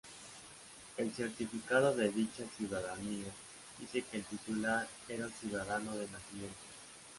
El Certificado de dicha Ciudadanía dice que el titular era un ciudadano de nacimiento.